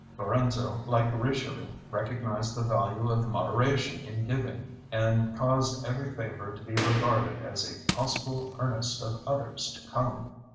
Lorenzo, like Richelieu, recognized the value of moderation in giving, and caused every favor to be regarded as a possible earnest of others to come.